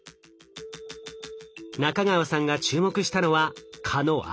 仲川さんが注目したのは蚊の脚。